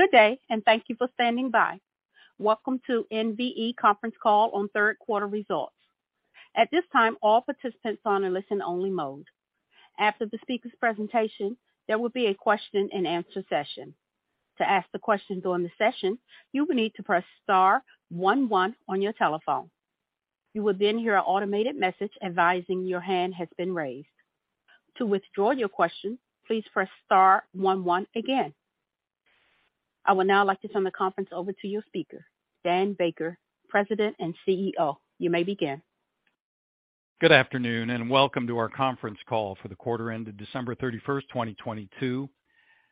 Good day. Thank you for standing by. Welcome to NVE conference call on third quarter results. At this time, all participants are on a listen only mode. After the speaker's presentation, there will be a question and answer session. To ask the question during the session, you will need to press star one one on your telephone. You will hear an automated message advising your hand has been raised. To withdraw your question, please press star one one again. I would now like to turn the conference over to your speaker, Dan Baker, President and CEO. You may begin. Good afternoon. Welcome to our conference call for the quarter ended December 31, 2022.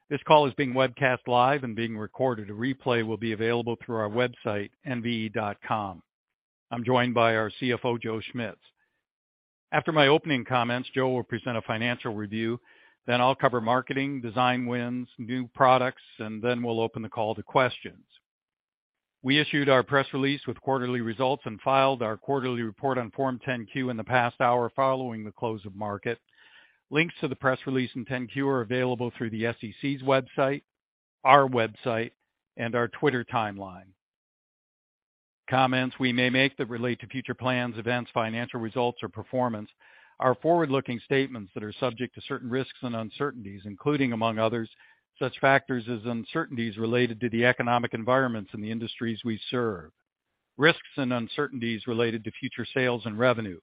This call is being webcast live and being recorded. A replay will be available through our website, nve.com. I'm joined by our CFO, Joe Schmitz. After my opening comments, Joe will present a financial review. Then I'll cover marketing, design wins, new products, and then we'll open the call to questions. We issued our press release with quarterly results and filed our quarterly report on Form 10-Q in the past hour following the close of market. Links to the press release and 10-Q are available through the SEC's website, our website, and our Twitter timeline. Comments we may make that relate to future plans, events, financial results, or performance are forward-looking statements that are subject to certain risks and uncertainties, including, among others, such factors as uncertainties related to the economic environments in the industries we serve, risks and uncertainties related to future sales and revenue,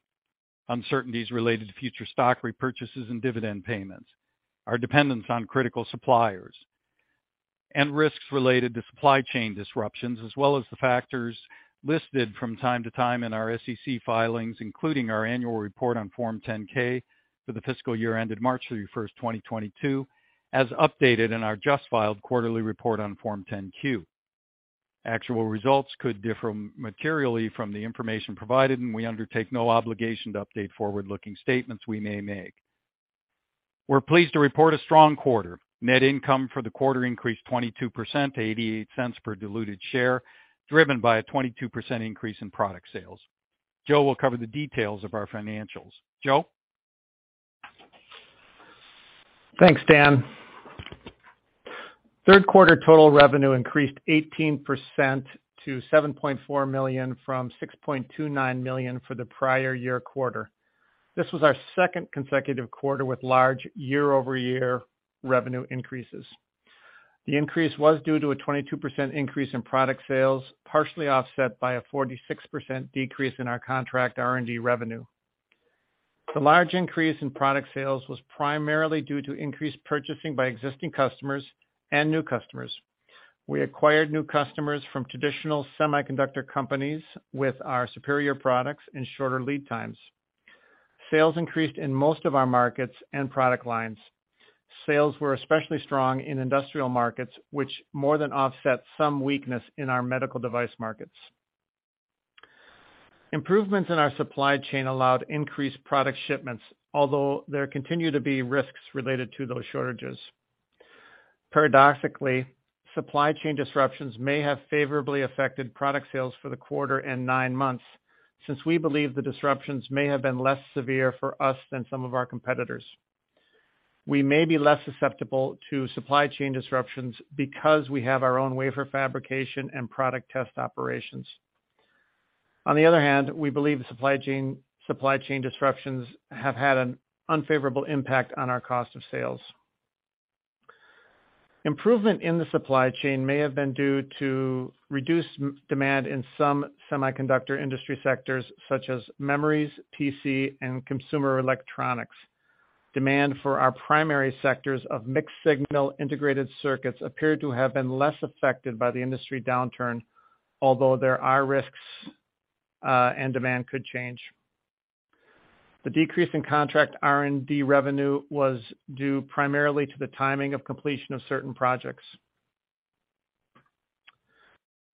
uncertainties related to future stock repurchases and dividend payments, our dependence on critical suppliers, and risks related to supply chain disruptions, as well as the factors listed from time to time in our SEC filings, including our annual report on Form 10-K for the fiscal year ended March 31st, 2022, as updated in our just filed quarterly report on Form 10-Q. Actual results could differ materially from the information provided, and we undertake no obligation to update forward-looking statements we may make. We're pleased to report a strong quarter. Net income for the quarter increased 22% to $0.88 per diluted share, driven by a 22% increase in product sales. Joe will cover the details of our financials. Joe. Thanks, Dan. Third quarter total revenue increased 18% to $7.4 million from $6.29 million for the prior year quarter. This was our second consecutive quarter with large year-over-year revenue increases. The increase was due to a 22% increase in product sales, partially offset by a 46% decrease in our contract R&D revenue. The large increase in product sales was primarily due to increased purchasing by existing customers and new customers. We acquired new customers from traditional semiconductor companies with our superior products and shorter lead times. Sales increased in most of our markets and product lines. Sales were especially strong in industrial markets, which more than offset some weakness in our medical device markets. Improvements in our supply chain allowed increased product shipments, although there continue to be risks related to those shortages. Paradoxically, supply chain disruptions may have favorably affected product sales for the quarter and nine months since we believe the disruptions may have been less severe for us than some of our competitors. We may be less susceptible to supply chain disruptions because we have our own wafer fabrication and product test operations. On the other hand, we believe supply chain disruptions have had an unfavorable impact on our cost of sales. Improvement in the supply chain may have been due to reduced demand in some semiconductor industry sectors such as memories, PC, and consumer electronics. Demand for our primary sectors of mixed signal integrated circuits appeared to have been less affected by the industry downturn, although there are risks, and demand could change. The decrease in contract R&D revenue was due primarily to the timing of completion of certain projects.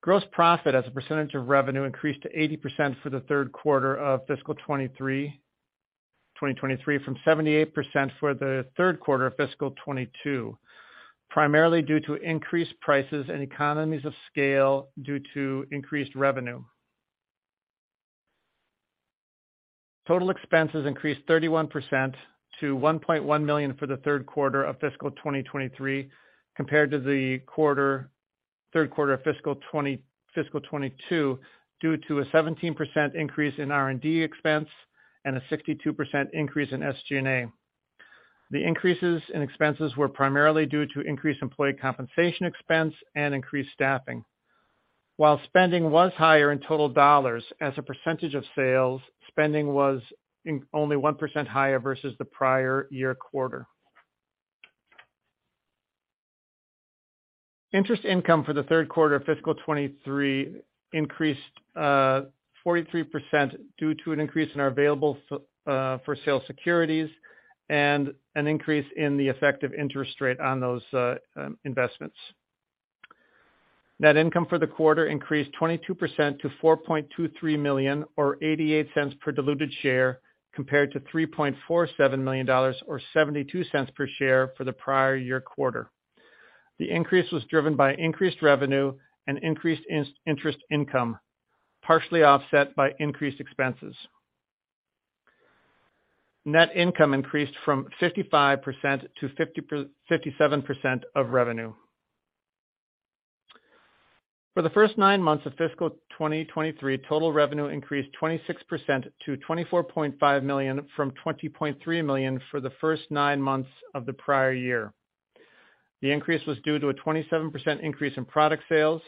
Gross profit as a percentage of revenue increased to 80% for the third quarter of fiscal 2023 from 78% for the third quarter of fiscal 2022, primarily due to increased prices and economies of scale due to increased revenue. Total expenses increased 31% to $1.1 million for the third quarter of fiscal 2023, compared to the third quarter of fiscal 2022, due to a 17% increase in R&D expense and a 62% increase in SG&A. The increases in expenses were primarily due to increased employee compensation expense and increased staffing. While spending was higher in total dollars as a percentage of sales, spending was only 1% higher versus the prior year quarter. Interest income for the third quarter of fiscal 2023 increased 43% due to an increase in our available for sale securities and an increase in the effective interest rate on those investments. Net income for the quarter increased 22% to $4.23 million, or $0.88 per diluted share, compared to $3.47 million or $0.72 per share for the prior year quarter. The increase was driven by increased revenue and increased interest income, partially offset by increased expenses. Net income increased from 55% to 57% of revenue. For the first nine months of fiscal 2023, total revenue increased 26% to $24.5 million from $20.3 million for the first nine months of the prior year. The increase was due to a 27% increase in product sales,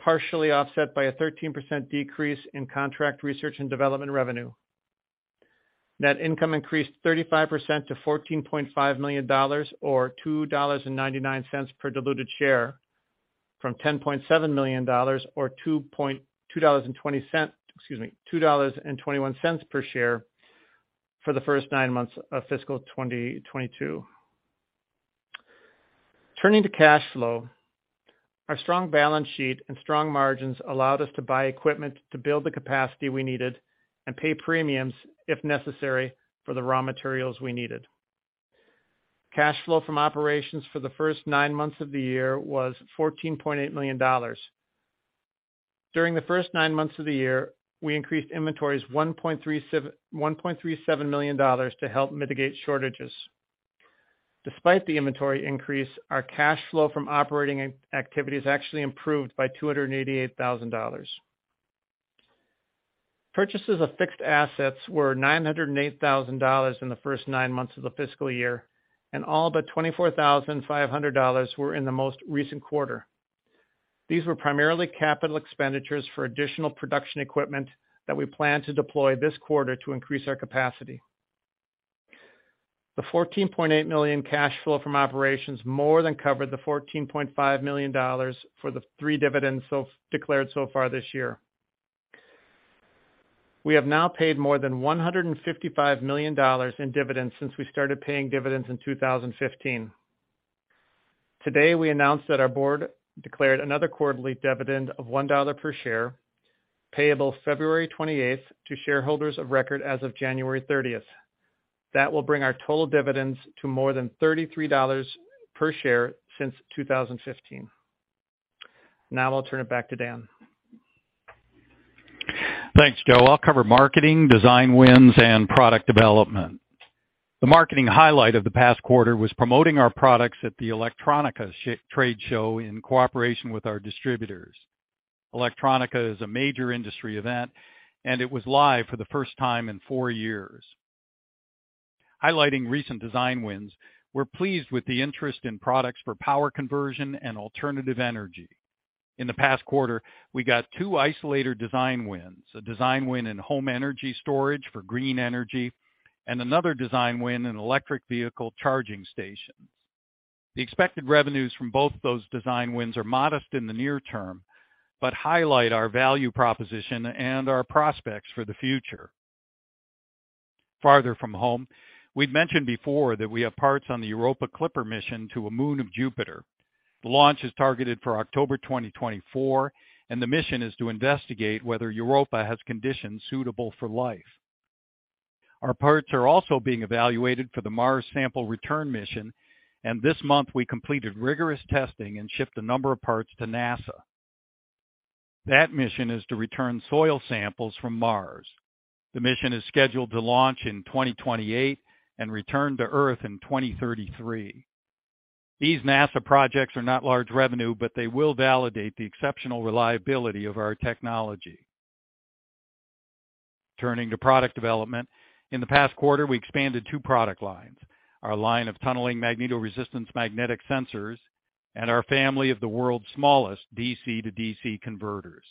partially offset by a 13% decrease in contract research and development revenue. Net income increased 35% to $14.5 million or $2.99 per diluted share from $10.7 million or $2.20, excuse me, $2.21 per share for the first nine months of fiscal 2022. Turning to cash flow. Our strong balance sheet and strong margins allowed us to buy equipment to build the capacity we needed and pay premiums, if necessary, for the raw materials we needed. Cash flow from operations for the first nine months of the year was $14.8 million. During the first nine months of the year, we increased inventories $1.37 million to help mitigate shortages. Despite the inventory increase, our cash flow from operating activities actually improved by $288,000. Purchases of fixed assets were $908,000 in the first nine months of the fiscal year, and all but $24,500 were in the most recent quarter. These were primarily capital expenditures for additional production equipment that we plan to deploy this quarter to increase our capacity. The $14.8 million cash flow from operations more than covered the $14.5 million for the three dividends declared so far this year. We have now paid more than $155 million in dividends since we started paying dividends in 2015. Today, we announced that our board declared another quarterly dividend of $1 per share, payable February 28th to shareholders of record as of January 30th. That will bring our total dividends to more than $33 per share since 2015. Now I'll turn it back to Dan. Thanks, Joe. I'll cover marketing, design wins, and product development. The marketing highlight of the past quarter was promoting our products at the electronica trade show in cooperation with our distributors. electronica is a major industry event, and it was live for the first time in four years. Highlighting recent design wins, we're pleased with the interest in products for power conversion and alternative energy. In the past quarter, we got two isolator design wins, a design win in home energy storage for green energy, and another design win in electric vehicle charging stations. The expected revenues from both those design wins are modest in the near term, but highlight our value proposition and our prospects for the future. Farther from home, we've mentioned before that we have parts on the Europa Clipper mission to a moon of Jupiter. The launch is targeted for October 2024. The mission is to investigate whether Europa has conditions suitable for life. Our parts are also being evaluated for the Mars Sample Return mission. This month we completed rigorous testing and shipped a number of parts to NASA. That mission is to return soil samples from Mars. The mission is scheduled to launch in 2028 and return to earth in 2033. These NASA projects are not large revenue. They will validate the exceptional reliability of our technology. Turning to product development. In the past quarter, we expanded two product lines. Our line of tunneling magnetoresistance magnetic sensors and our family of the world's smallest DC-to-DC Converters.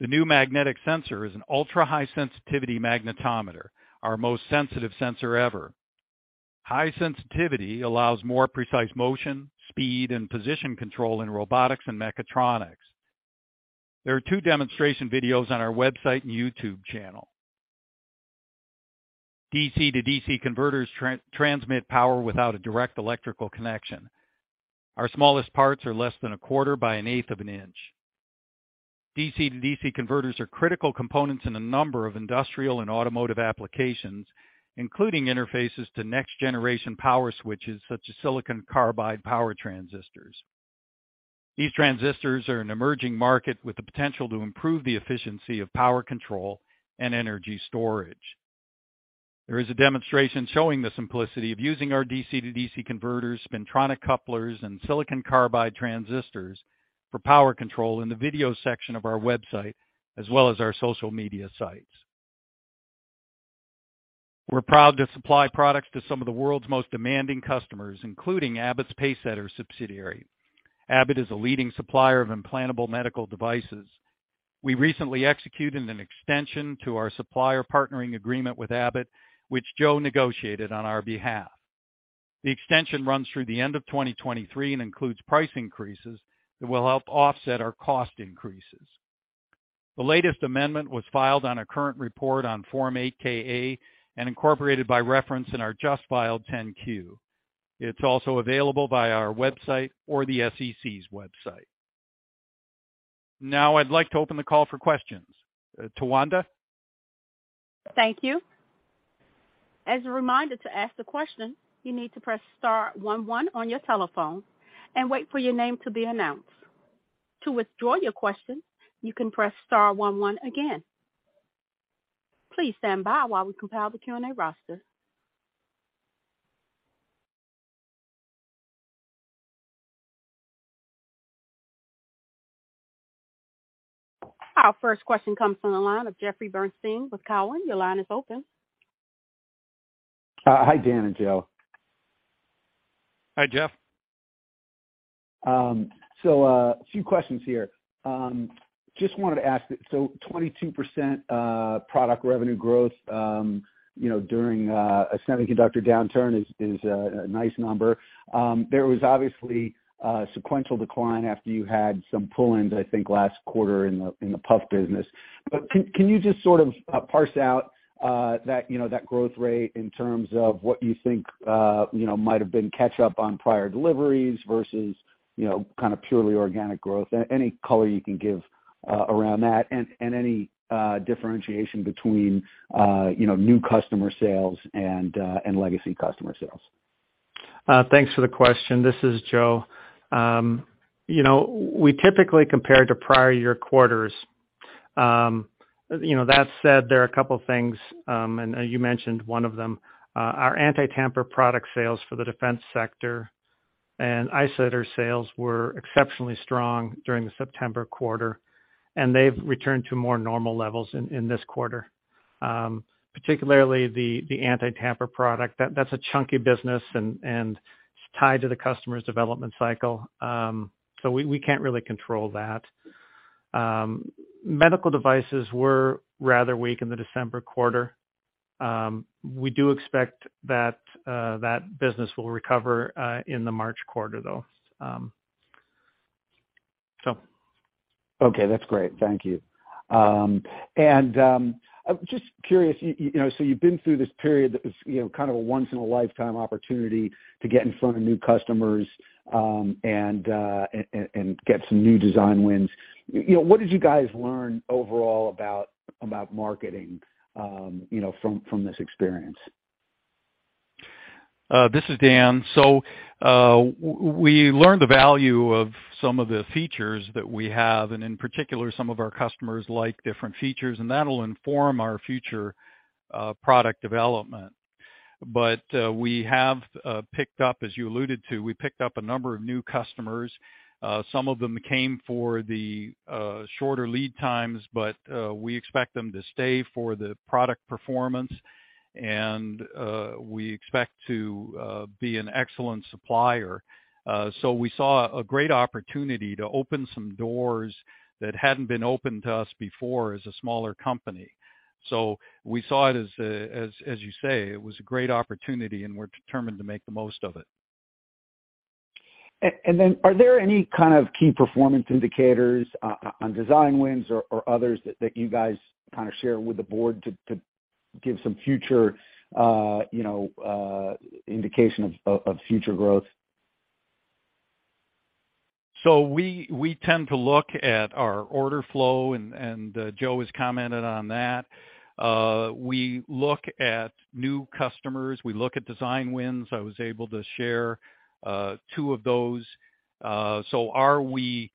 The new magnetic sensor is an ultra-high sensitivity magnetometer, our most sensitive sensor ever. High sensitivity allows more precise motion, speed, and position control in robotics and mechatronics. There are two demonstration videos on our website and YouTube channel. DC to DC Converters transmit power without a direct electrical connection. Our smallest parts are less than a quarter by an eighth of an inch. DC to DC Converters are critical components in a number of industrial and automotive applications, including interfaces to next-generation power switches such as silicon carbide power transistors. These transistors are an emerging market with the potential to improve the efficiency of power control and energy storage. There is a demonstration showing the simplicity of using our DC to DC Converters, spintronic couplers, and silicon carbide transistors for power control in the video section of our website as well as our social media sites. We're proud to supply products to some of the world's most demanding customers, including Abbott's Pacesetter subsidiary. Abbott is a leading supplier of implantable medical devices. We recently executed an extension to our supplier partnering agreement with Abbott, which Joe negotiated on our behalf. The extension runs through the end of 2023 and includes price increases that will help offset our cost increases. The latest amendment was filed on a current report on Form 8-K/A and incorporated by reference in our just filed Form 10-Q. It's also available via our website or the SEC's website. I'd like to open the call for questions. Tawanda? Thank you. As a reminder to ask the question, you need to press star one one on your telephone and wait for your name to be announced. To withdraw your question, you can press star one one again. Please stand by while we compile the Q&A roster. Our first question comes from the line of Jeffrey Bernstein with Cowen. Your line is open. Hi, Dan and Joe. Hi, Jeff. Um, so, uh, a few questions here. Um, just wanted to ask, so 22%, uh, product revenue growth, um, you know, during a semiconductor downturn is a nice number. Um, there was obviously a sequential decline after you had some pull-ins, I think last quarter in the, in the PUF business. But can you just sort of, uh, parse out, uh, that, you know, that growth rate in terms of what you think, uh, you know, might have been catch up on prior deliveries versus, you know, kind of purely organic growth? A-any color you can give, uh, around that and any, uh, differentiation between, uh, you know, new customer sales and, uh, and legacy customer sales. Thanks for the question. This is Joe. You know, we typically compare to prior year quarters. You know, that said, there are a couple of things. You mentioned one of them. Our anti-tamper product sales for the defense sector and isolator sales were exceptionally strong during the September quarter. They've returned to more normal levels in this quarter. Particularly the anti-tamper product, that's a chunky business. It's tied to the customer's development cycle. We can't really control that. Medical devices were rather weak in the December quarter. We do expect that business will recover in the March quarter, though. Okay, that's great. Thank you. I'm just curious, you know, so you've been through this period that was, you know, kind of a once in a lifetime opportunity to get in front of new customers, and get some new design wins. You know, what did you guys learn overall about marketing, you know, from this experience? This is Dan. we learned the value of some of the features that we have, and in particular, some of our customers like different features, and that'll inform our future product development. we have picked up, as you alluded to, we picked up a number of new customers. Some of them came for the shorter lead times, we expect them to stay for the product performance, and we expect to be an excellent supplier. we saw a great opportunity to open some doors that hadn't been opened to us before as a smaller company. we saw it as you say, it was a great opportunity, and we're determined to make the most of it. Then are there any kind of key performance indicators, on design wins or others that you guys kinda share with the board to give some future, you know, indication of future growth? We tend to look at our order flow, and Joe has commented on that. We look at new customers, we look at design wins. I was able to share two of those. Are we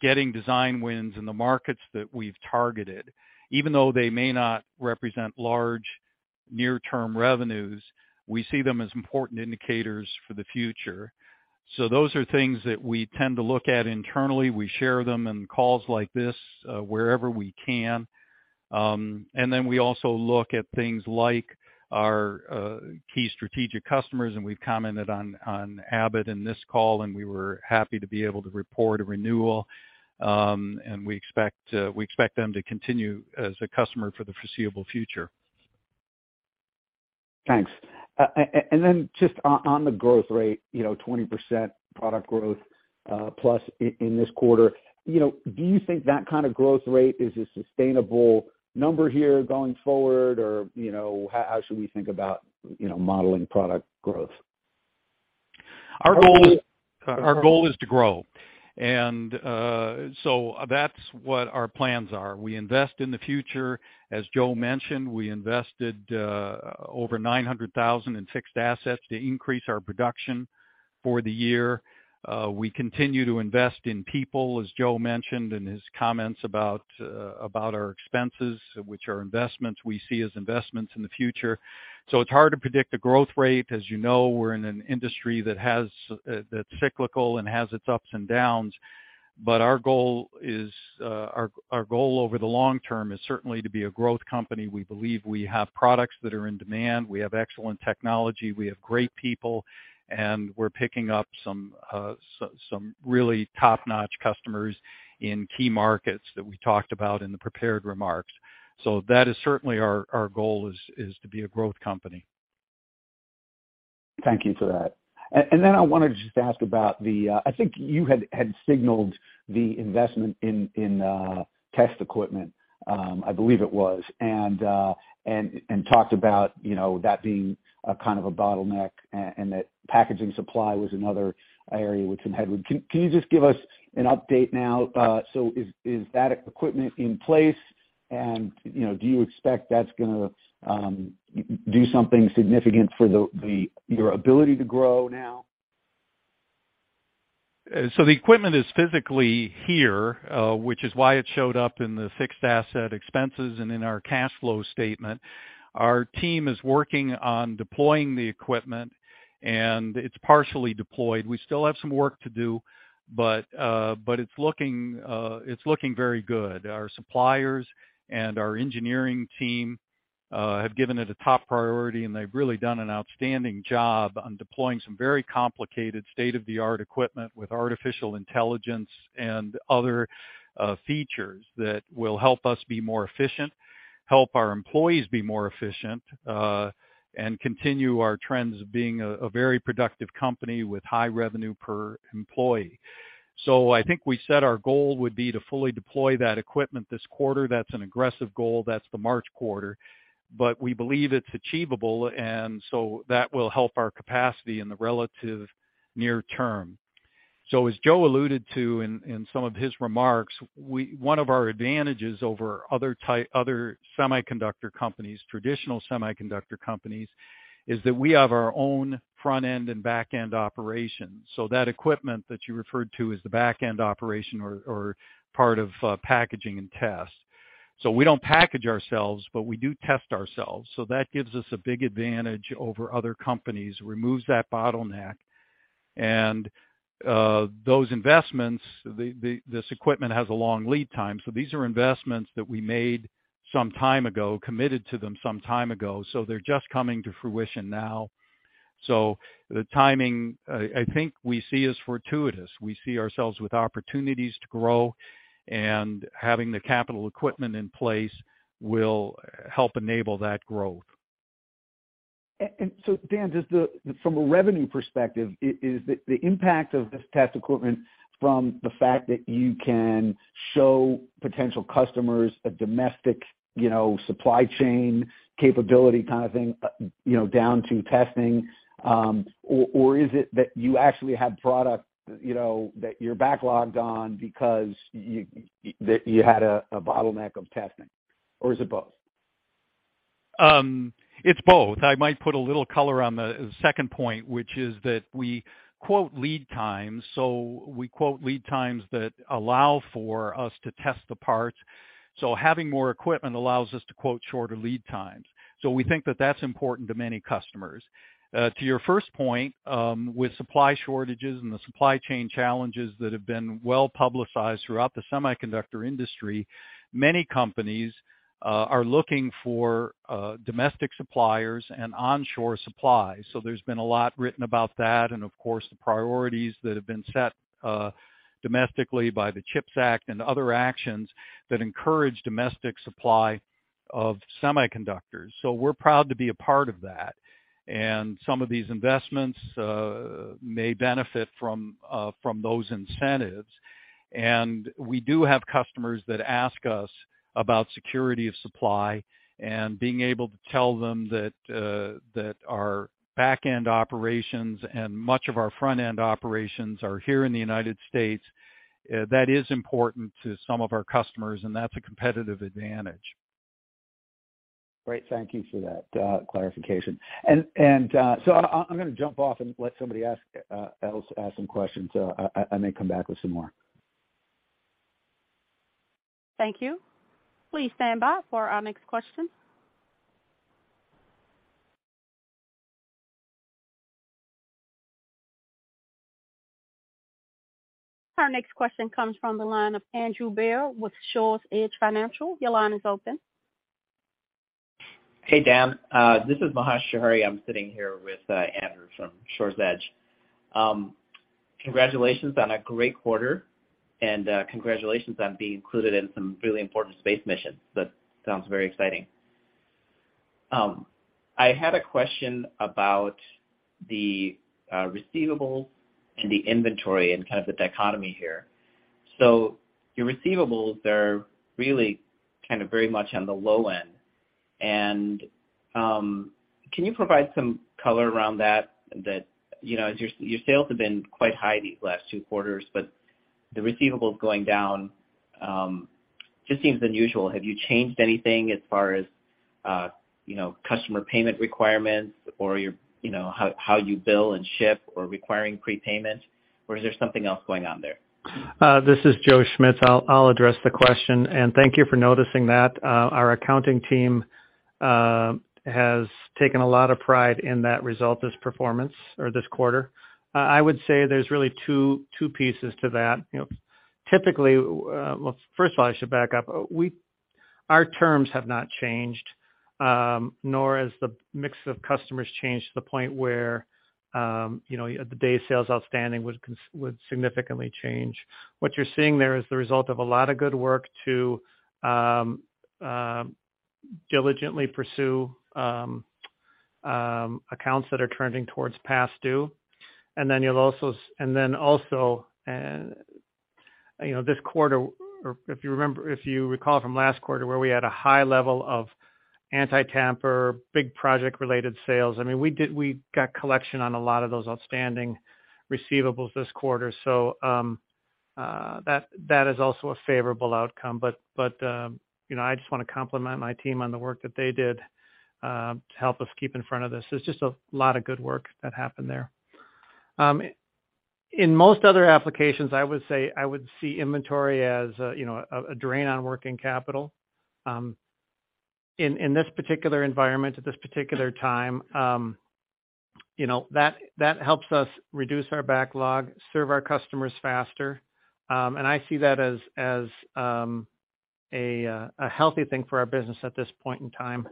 getting design wins in the markets that we've targeted? Even though they may not represent large near-term revenues, we see them as important indicators for the future. Those are things that we tend to look at internally. We share them in calls like this wherever we can. We also look at things like our key strategic customers, and we've commented on Abbott in this call, and we were happy to be able to report a renewal. We expect them to continue as a customer for the foreseeable future. Thanks. Just on the growth rate, you know, 20% product growth, plus in this quarter. You know, do you think that kind of growth rate is a sustainable number here going forward? Or, you know, how should we think about, you know, modeling product growth? Our goal is to grow. That's what our plans are. We invest in the future. As Joe mentioned, we invested over $900,000 in fixed assets to increase our production for the year. We continue to invest in people, as Joe mentioned in his comments about our expenses, which are investments, we see as investments in the future. It's hard to predict a growth rate. As you know, we're in an industry that has that's cyclical and has its ups and downs. Our goal over the long term is certainly to be a growth company. We believe we have products that are in demand. We have excellent technology, we have great people, and we're picking up some really top-notch customers in key markets that we talked about in the prepared remarks. That is certainly our goal is to be a growth company. Thank you for that. I wanted to just ask about the. I think you had signaled the investment in test equipment, I believe it was, and talked about, you know, that being a kind of a bottleneck and that packaging supply was another area which some had with. Can you just give us an update now? Is that equipment in place? And, you know, do you expect that's gonna do something significant for your ability to grow now? The equipment is physically here, which is why it showed up in the fixed asset expenses and in our cash flow statement. Our team is working on deploying the equipment, and it's partially deployed. We still have some work to do, but it's looking very good. Our suppliers and our engineering team have given it a top priority, and they've really done an outstanding job on deploying some very complicated state-of-the-art equipment with artificial intelligence and other features that will help us be more efficient, help our employees be more efficient, and continue our trends of being a very productive company with high revenue per employee. I think we said our goal would be to fully deploy that equipment this quarter. That's an aggressive goal. That's the March quarter. We believe it's achievable, and that will help our capacity in the relative near term. As Joe alluded to in some of his remarks, one of our advantages over other type, other semiconductor companies, traditional semiconductor companies, is that we have our own front-end and back-end operations. That equipment that you referred to is the back-end operation or part of packaging and test. We don't package ourselves, but we do test ourselves. That gives us a big advantage over other companies, removes that bottleneck. Those investments, this equipment has a long lead time. These are investments that we made some time ago, committed to them some time ago, so they're just coming to fruition now. The timing, I think we see as fortuitous. We see ourselves with opportunities to grow and having the capital equipment in place will help enable that growth. Dan, just from a revenue perspective, is the impact of this test equipment from the fact that you can show potential customers a domestic, you know, supply chain capability kind of thing, you know, down to testing, or is it that you actually have product, you know, that you're backlogged on because you had a bottleneck of testing? Or is it both? It's both. I might put a little color on the second point, which is that we quote lead times. We quote lead times that allow for us to test the parts. Having more equipment allows us to quote shorter lead times. We think that that's important to many customers. To your first point, with supply shortages and the supply chain challenges that have been well-publicized throughout the semiconductor industry, many companies are looking for domestic suppliers and onshore supply. There's been a lot written about that and of course, the priorities that have been set domestically by the CHIPS Act and other actions that encourage domestic supply of semiconductors. We're proud to be a part of that. Some of these investments may benefit from those incentives. We do have customers that ask us about security of supply and being able to tell them that our back-end operations and much of our front-end operations are here in the United States, that is important to some of our customers, and that's a competitive advantage. Great. Thank you for that clarification. I'm gonna jump off and let somebody else ask some questions. I may come back with some more. Thank you. Please stand by for our next question. Our next question comes from the line of Andrew Bell with Shores Edge Financial. Your line is open. Hey, Dan. This is Maha Shehri. I'm sitting here with Andrew from Shores Edge. Congratulations on a great quarter, congratulations on being included in some really important space missions. That sounds very exciting. I had a question about the receivables and the inventory and kind of the dichotomy here. Your receivables are really kind of very much on the low end. Can you provide some color around that, you know, as your sales have been quite high these last two quarters, but the receivables going down, just seems unusual. Have you changed anything as far as, you know, customer payment requirements or your, you know, how you bill and ship or requiring prepayment? Is there something else going on there? This is Joe Schmitz. I'll address the question and thank you for noticing that. Our accounting team has taken a lot of pride in that result, this performance or this quarter. I would say there's really two pieces to that. You know, typically, well, first of all, I should back up. Our terms have not changed, nor has the mix of customers changed to the point where, you know, the day sales outstanding would significantly change. What you're seeing there is the result of a lot of good work to diligently pursue accounts that are trending towards past due. Then also, you know, this quarter or if you recall from last quarter where we had a high level of Anti-tamper, big project related sales. I mean, we got collection on a lot of those outstanding receivables this quarter, so that is also a favorable outcome. You know, I just wanna compliment my team on the work that they did to help us keep in front of this. There's just a lot of good work that happened there. In most other applications, I would say I would see inventory as a, you know, a drain on working capital. In this particular environment, at this particular time, you know, that helps us reduce our backlog, serve our customers faster. I see that as a healthy thing for our business at this point in time.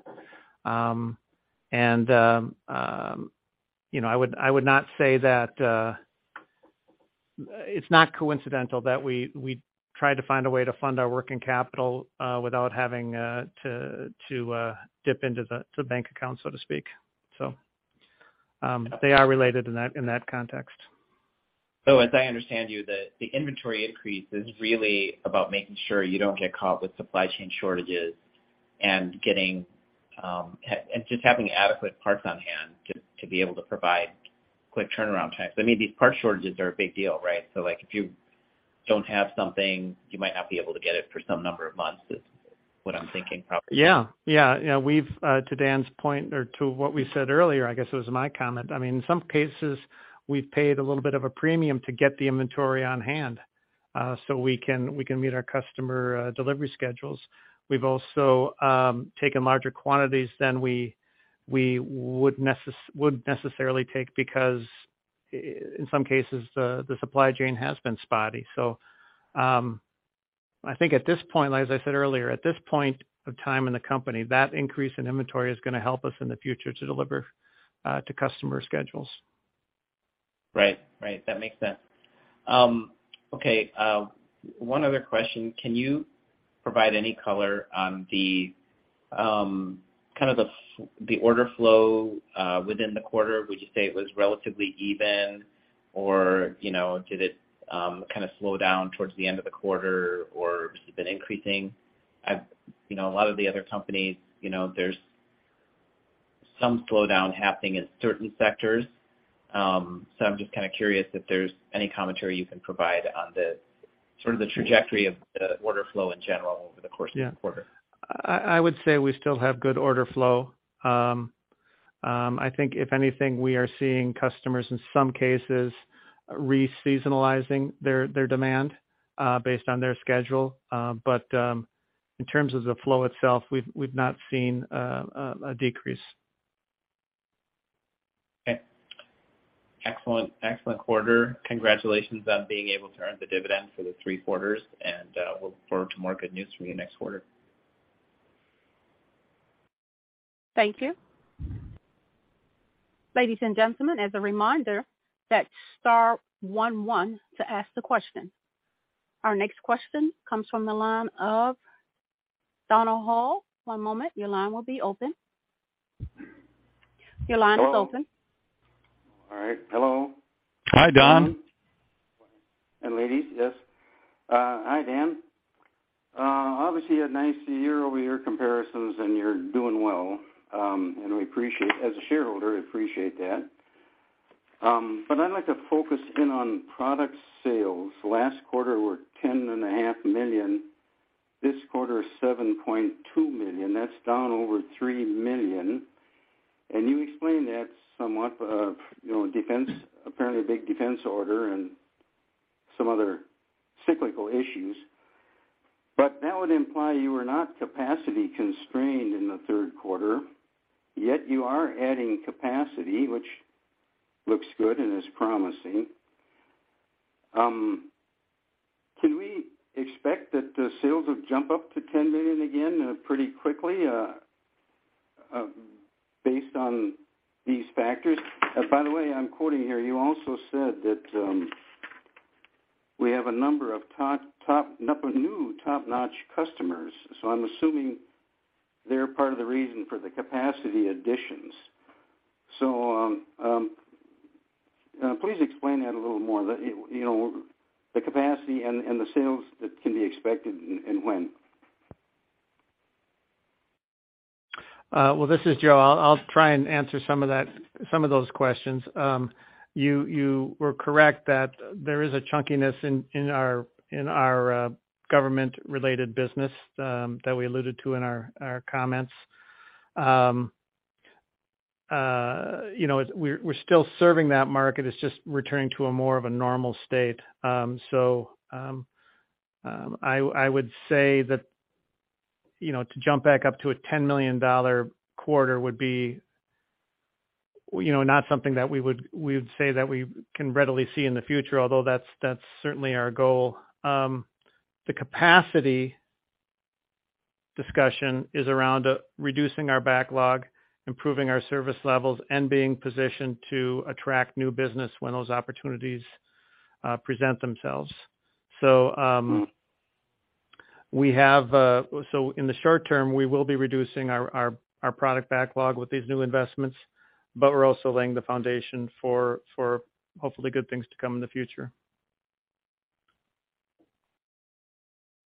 You know, I would not say that it's not coincidental that we try to find a way to fund our working capital without having to dip into the bank account, so to speak. They are related in that context. As I understand you, the inventory increase is really about making sure you don't get caught with supply chain shortages and getting and just having adequate parts on hand to be able to provide quick turnaround times. I mean, these parts shortages are a big deal, right? Like, if you don't have something, you might not be able to get it for some number of months, is what I'm thinking probably. Yeah. Yeah. You know, we've to Dan's point or to what we said earlier, I guess it was my comment. I mean, in some cases we've paid a little bit of a premium to get the inventory on hand, so we can meet our customer delivery schedules. We've also taken larger quantities than we would necessarily take because in some cases, the supply chain has been spotty. I think at this point, as I said earlier, at this point of time in the company, that increase in inventory is gonna help us in the future to deliver to customer schedules. Right. Right. That makes sense. Okay, one other question. Can you provide any color on the kind of the order flow within the quarter? Would you say it was relatively even, or, you know, did it kinda slow down towards the end of the quarter, or has it been increasing? You know, a lot of the other companies, you know, there's some slowdown happening in certain sectors. I'm just kinda curious if there's any commentary you can provide on the sort of the trajectory of the order flow in general over the course of the quarter. Yeah. I would say we still have good order flow. I think if anything, we are seeing customers, in some cases re-seasonalizing their demand based on their schedule. In terms of the flow itself, we've not seen a decrease. Okay. Excellent, excellent quarter. Congratulations on being able to earn the dividend for the three quarters, and, we look forward to more good news from you next quarter. Thank you. Ladies and gentlemen, as a reminder, that's star one one to ask the question. Our next question comes from the line of Donald Hall. One moment, your line will be open. Your line is open. All right. Hello. Hi, Don. Ladies, yes. Hi, Dan. Obviously, a nice year-over-year comparisons, and you're doing well. We appreciate, as a shareholder, appreciate that. I'd like to focus in on product sales. Last quarter were $10.5 million, this quarter is $7.2 million. That's down over $3 million. You explained that somewhat of, you know, defense, apparently a big defense order and some other cyclical issues. That would imply you were not capacity constrained in the third quarter, yet you are adding capacity, which looks good and is promising. Can we expect that the sales would jump up to $10 million again, pretty quickly, based on these factors? By the way, I'm quoting here, you also said that we have a number of top... New top-notch customers, I'm assuming they're part of the reason for the capacity additions. Please explain that a little more. You know, the capacity and the sales that can be expected and when. Well, this is Joe. I'll try and answer some of those questions. You were correct that there is a chunkiness in our government related business that we alluded to in our comments. You know, we're still serving that market. It's just returning to a more of a normal state. I would say that, you know, to jump back up to a $10 million quarter would be, you know, not something that we would say that we can readily see in the future, although that's certainly our goal. The capacity discussion is around reducing our backlog, improving our service levels, and being positioned to attract new business when those opportunities present themselves. We have, so in the short term, we will be reducing our product backlog with these new investments, but we're also laying the foundation for hopefully, good things to come in the future.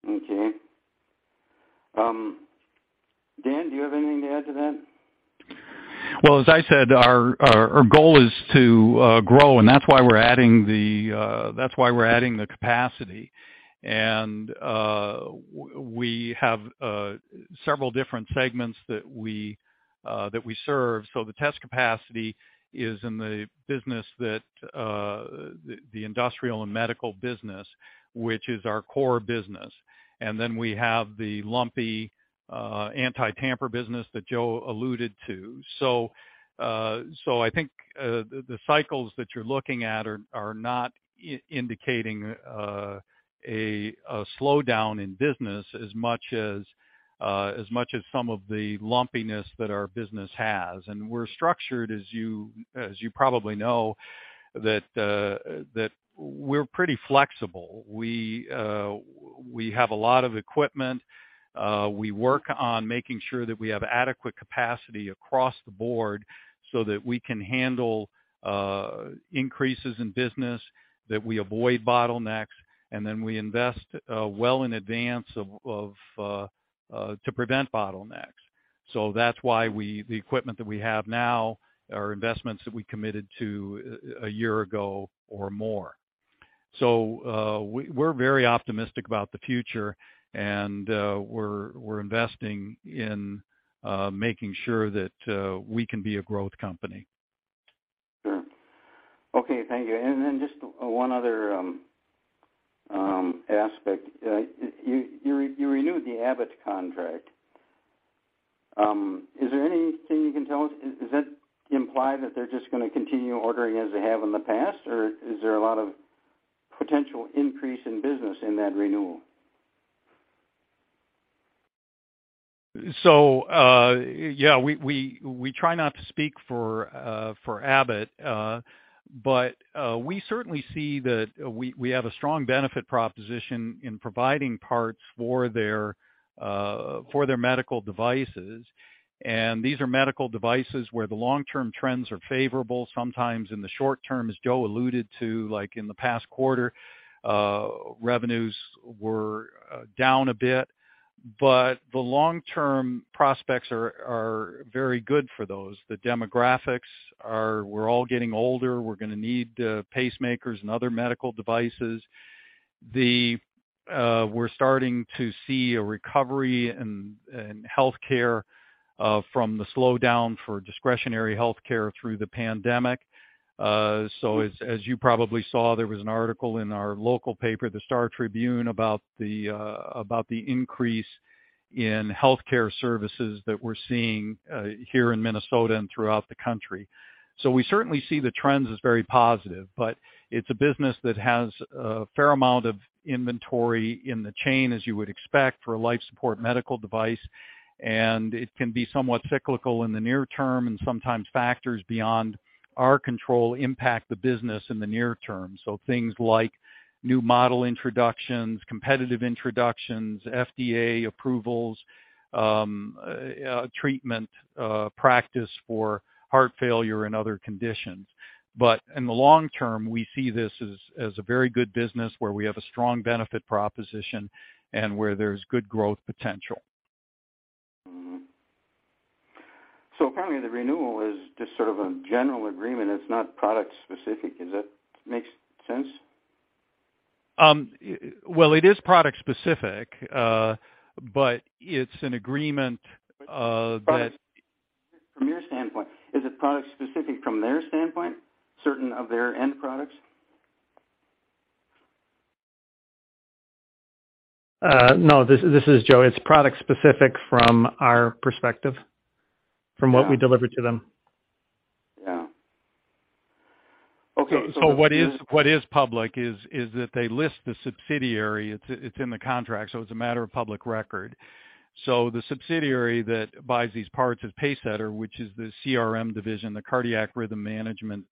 Okay. Dan, do you have anything to add to that? Well, as I said, our goal is to grow. That's why we're adding the capacity. We have several different segments that we serve. The test capacity is in the business that the industrial and medical business, which is our core business. We have the lumpy anti-tamper business that Joe alluded to. I think the cycles that you're looking at are not indicating a slowdown in business as much as some of the lumpiness that our business has. We're structured as you probably know, that we're pretty flexible. We have a lot of equipment. We work on making sure that we have adequate capacity across the board so that we can handle increases in business, that we avoid bottlenecks, and then we invest well in advance to prevent bottlenecks. That's why the equipment that we have now are investments that we committed to a year ago or more. We're very optimistic about the future, and we're investing in making sure that we can be a growth company. Sure. Okay. Thank you. Just one other aspect. You renewed the Abbott contract. Is there anything you can tell us? Is that imply that they're just gonna continue ordering as they have in the past? Or is there a lot of potential increase in business in that renewal? Yeah, we try not to speak for Abbott. We certainly see that we have a strong benefit proposition in providing parts for their medical devices. These are medical devices where the long-term trends are favorable. Sometimes in the short term, as Joe Schmitz alluded to, like in the past quarter, revenues were down a bit, but the long-term prospects are very good for those. The demographics are we're all getting older. We're gonna need pacemakers and other medical devices. We're starting to see a recovery in healthcare from the slowdown for discretionary healthcare through the pandemic. As you probably saw, there was an article in our local paper, the Star Tribune, about the increase in healthcare services that we're seeing here in Minnesota and throughout the country. We certainly see the trends as very positive, but it's a business that has a fair amount of inventory in the chain, as you would expect for a life support medical device. It can be somewhat cyclical in the near term, and sometimes factors beyond our control impact the business in the near term. Things like new model introductions, competitive introductions, FDA approvals, treatment practice for heart failure and other conditions. In the long term, we see this as a very good business where we have a strong benefit proposition and where there's good growth potential. Mm-hmm. Apparently, the renewal is just sort of a general agreement. It's not product-specific. Is that makes sense? Well, it is product-specific, but it's an agreement. From your standpoint. Is it product-specific from their standpoint, certain of their end products? No. This is Joe. It's product-specific from our perspective, from what we deliver to them. Yeah. Okay. What is public is that they list the subsidiary. It's in the contract, so it's a matter of public record. The subsidiary that buys these parts is Pacesetter, which is the CRM division, the cardiac rhythm management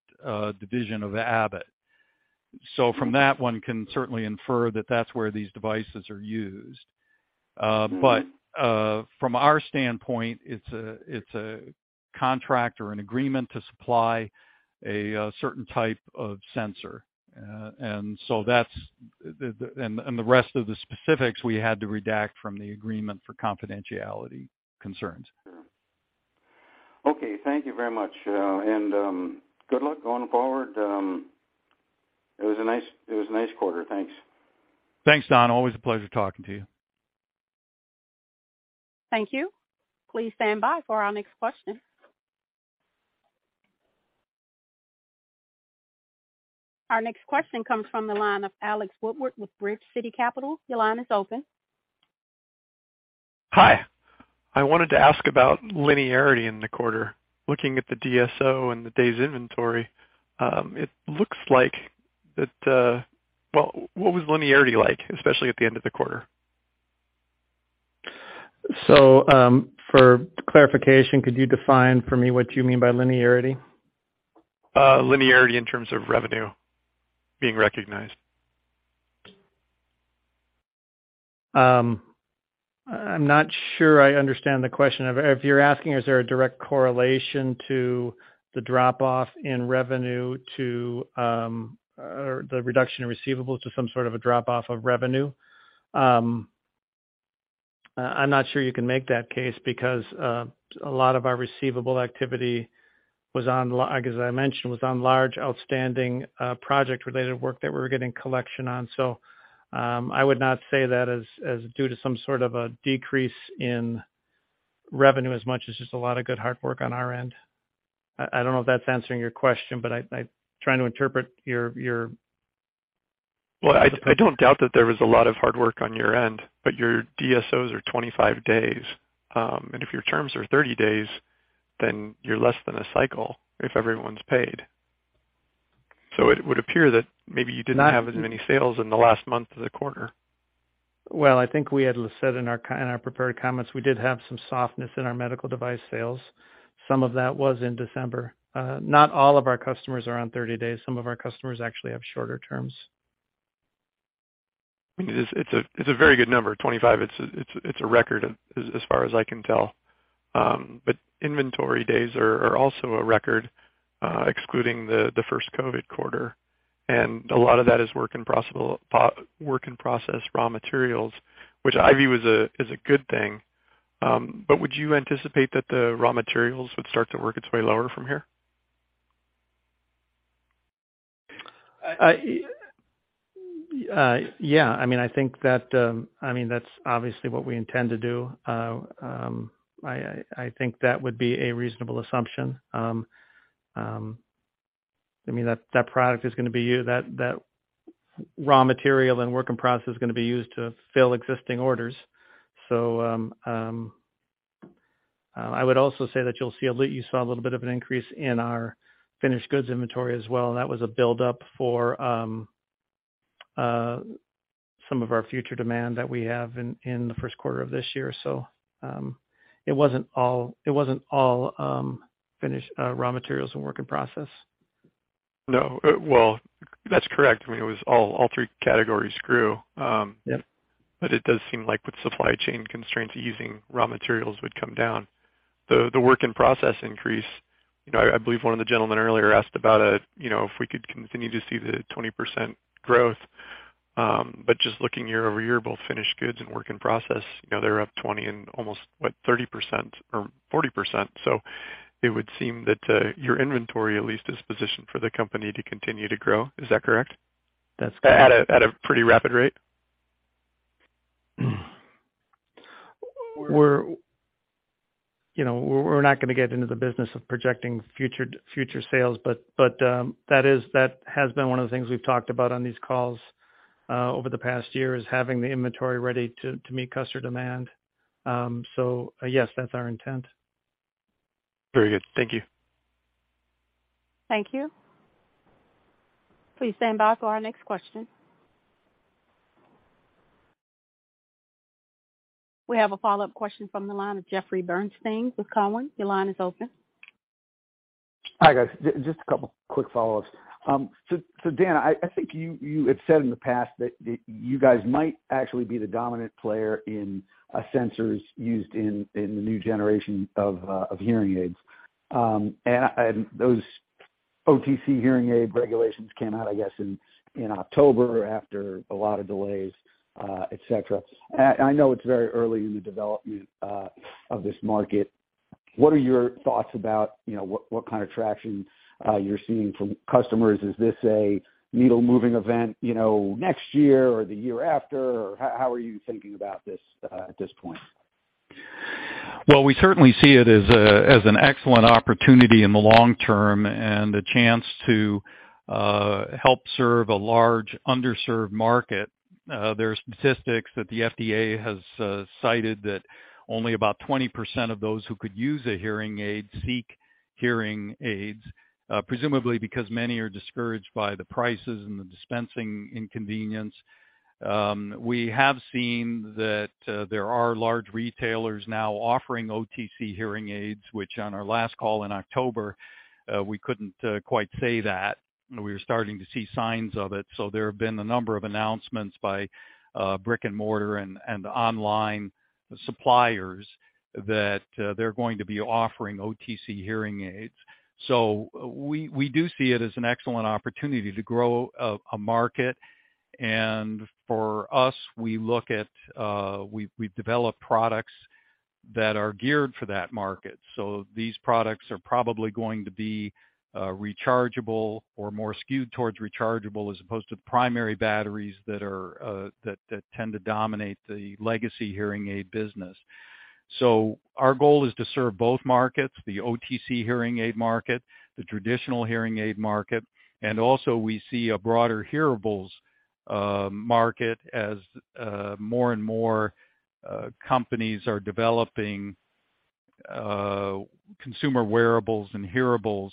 division of Abbott. From that one can certainly infer that that's where these devices are used. But from our standpoint, it's a contract or an agreement to supply a certain type of sensor. The rest of the specifics we had to redact from the agreement for confidentiality concerns. Sure. Okay. Thank you very much. Good luck going forward. It was a nice quarter. Thanks. Thanks, Don. Always a pleasure talking to you. Thank you. Please stand by for our next question. Our next question comes from the line of Alex Woodward with Bridge City Capital. Your line is open. Hi. I wanted to ask about linearity in the quarter. Looking at the DSO and the days inventory, it looks like that. Well, what was linearity like, especially at the end of the quarter? For clarification, could you define for me what you mean by linearity? Linearity in terms of revenue being recognized. I'm not sure I understand the question. If you're asking is there a direct correlation to the drop off in revenue to, or the reduction in receivables to some sort of a drop off of revenue, I'm not sure you can make that case because a lot of our receivable activity was on like, as I mentioned, was on large outstanding, project related work that we were getting collection on. I would not say that as due to some sort of a decrease in revenue, as much as just a lot of good hard work on our end. I don't know if that's answering your question, but I trying to interpret your. Well, I don't doubt that there was a lot of hard work on your end, but your DSOs are 25 days. If your terms are 30 days, then you're less than a cycle if everyone's paid. It would appear that maybe you didn't have as many sales in the last month of the quarter. Well, I think we had said in our prepared comments, we did have some softness in our medical device sales. Some of that was in December. Not all of our customers are on 30 days. Some of our customers actually have shorter terms. I mean, it's a very good number. 25, it's a record as far as I can tell. Inventory days are also a record, excluding the first COVID quarter, and a lot of that is work in process raw materials, which I view as a good thing. Would you anticipate that the raw materials would start to work its way lower from here? Yeah. I mean, I think that I mean, that's obviously what we intend to do. I think that would be a reasonable assumption. I mean, that product is gonna be that raw material and work in process is gonna be used to fill existing orders. I would also say that you saw a little bit of an increase in our finished goods inventory as well, and that was a buildup for some of our future demand that we have in the first quarter of this year. It wasn't all finished, raw materials and work in process. No. Well, that's correct. I mean, it was all three categories grew. Yep. It does seem like with supply chain constraints easing, raw materials would come down. The work in process increase, you know, I believe one of the gentlemen earlier asked about it, you know, if we could continue to see the 20% growth. Just looking year-over-year, both finished goods and work in process, you know, they're up 20% and almost, what, 30% or 40%. It would seem that your inventory at least is positioned for the company to continue to grow. Is that correct? That's correct. At a pretty rapid rate? We're, you know, we're not gonna get into the business of projecting future sales, but that has been one of the things we've talked about on these calls over the past year is having the inventory ready to meet customer demand. Yes, that's our intent. Very good. Thank you. Thank you. Please stand by for our next question. We have a follow-up question from the line of Jeffrey Bernstein with Cowen. Your line is open. Hi, guys. Just a couple quick follow-ups. So Dan, I think you had said in the past that you guys might actually be the dominant player in sensors used in the new generation of hearing aids. Those OTC hearing aid regulations came out, I guess, in October after a lot of delays, et cetera. I know it's very early in the development of this market. What are your thoughts about, you know, what kind of traction you're seeing from customers? Is this a needle moving event, you know, next year or the year after? How are you thinking about this at this point? We certainly see it as an excellent opportunity in the long term and a chance to help serve a large underserved market. There are statistics that the FDA has cited that only about 20% of those who could use a hearing aid seek hearing aids, presumably because many are discouraged by the prices and the dispensing inconvenience. We have seen that there are large retailers now offering OTC hearing aids, which on our last call in October, we couldn't quite say that. We were starting to see signs of it. There have been a number of announcements by brick and mortar and online suppliers that they're going to be offering OTC hearing aids. We do see it as an excellent opportunity to grow a market. For us, we look at, we've developed products that are geared for that market. These products are probably going to be rechargeable or more skewed towards rechargeable as opposed to the primary batteries that are that tend to dominate the legacy hearing aid business. Our goal is to serve both markets, the OTC hearing aid market, the traditional hearing aid market, and also we see a broader hearables market as more and more companies are developing consumer wearables and hearables.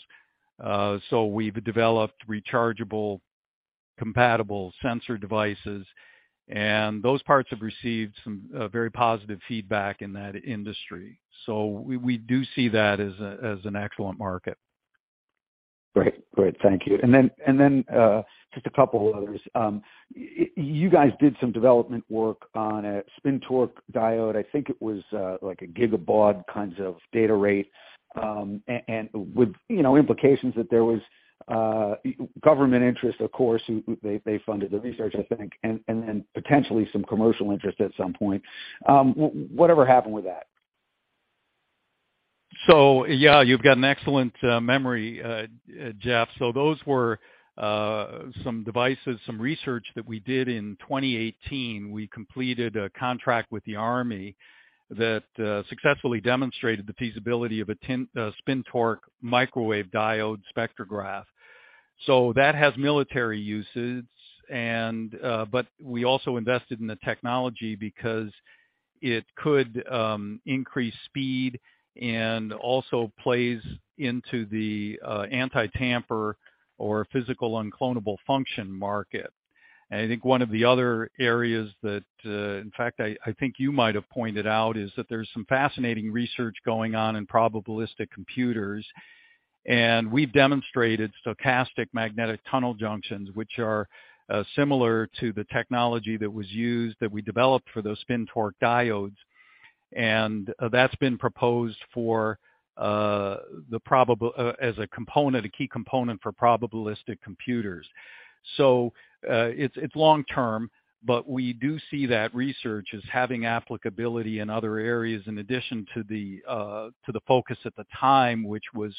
We've developed rechargeable compatible sensor devices, and those parts have received some very positive feedback in that industry. We do see that as an excellent market. Great. Great. Thank you. Then, just a couple others. You guys did some development work on a spin-torque diode. I think it was like a gigabaud kinds of data rate, and with, you know, implications that there was government interest, of course, they funded the research, I think, and then potentially some commercial interest at some point. What ever happened with that? Yeah, you've got an excellent memory, Jeff. those were some devices, some research that we did in 2018. We completed a contract with the army that successfully demonstrated the feasibility of a tin spin-torque microwave diode spectrograph. that has military uses and, but we also invested in the technology because it could increase speed and also plays into the anti-tamper or physical unclonable function market. I think one of the other areas that, in fact, I think you might have pointed out, is that there's some fascinating research going on in probabilistic computers. we've demonstrated stochastic magnetic tunnel junctions, which are similar to the technology that was used, that we developed for those spin-torque diodes. that's been proposed for as a component, a key component for probabilistic computers. It's long-term, but we do see that research as having applicability in other areas in addition to the focus at the time, which was,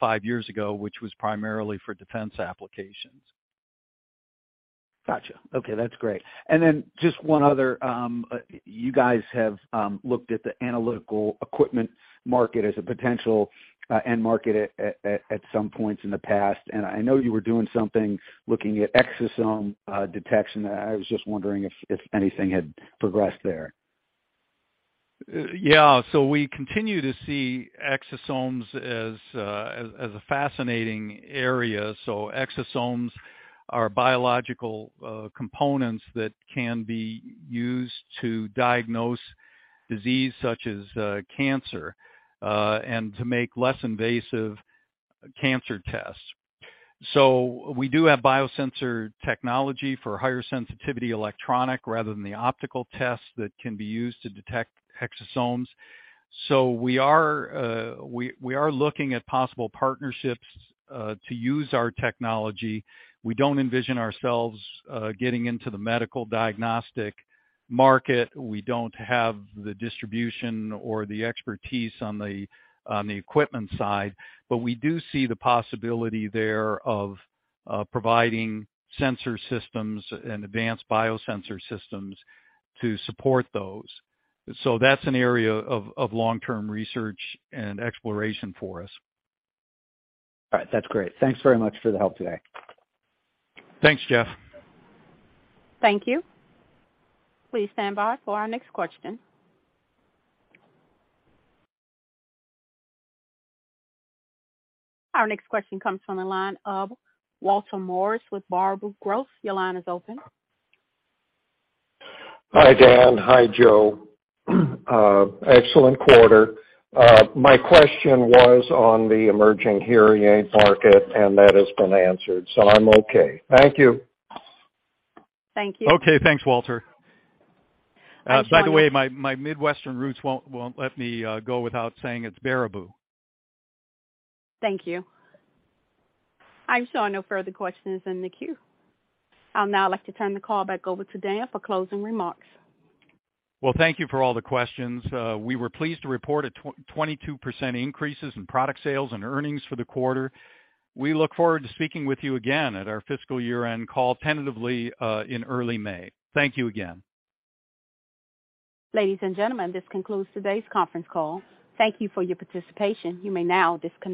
five years ago, which was primarily for defense applications. Gotcha. Okay, that's great. Just one other. You guys have looked at the analytical equipment market as a potential end market at some points in the past. I know you were doing something looking at exosome detection. I was just wondering if anything had progressed there? Yeah. We continue to see exosomes as a fascinating area. Exosomes are biological components that can be used to diagnose disease such as cancer and to make less invasive cancer tests. We do have biosensor technology for higher sensitivity electronic rather than the optical tests that can be used to detect exosomes. We are looking at possible partnerships to use our technology. We don't envision ourselves getting into the medical diagnostic market. We don't have the distribution or the expertise on the equipment side, but we do see the possibility there of providing sensor systems and advanced biosensor systems to support those. That's an area of long-term research and exploration for us. All right. That's great. Thanks very much for the help today. Thanks, Jeff. Thank you. Please stand by for our next question. Our next question comes from the line of Walter Morris with Baraboo Growth. Your line is open. Hi, Dan. Hi, Joe. Excellent quarter. My question was on the emerging hearing aid market, and that has been answered. I'm okay. Thank you. Thank you. Okay, thanks, Walter. Next one- By the way, my Midwestern roots won't let me go without saying it's Baraboo. Thank you. I'm showing no further questions in the queue. I'll now like to turn the call back over to Dan for closing remarks. Well, thank you for all the questions. We were pleased to report a 22% increases in product sales and earnings for the quarter. We look forward to speaking with you again at our fiscal year-end call tentatively in early May. Thank you again. Ladies and gentlemen, this concludes today's conference call. Thank you for your participation. You may now disconnect.